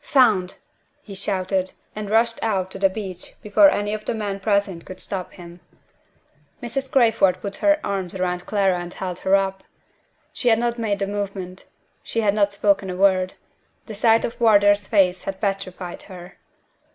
"Found!" he shouted, and rushed out to the beach before any of the men present could stop him. Mrs. Crayford put her arms round Clara and held her up. She had not made a movement: she had not spoken a word. The sight of Wardour's face had petrified her.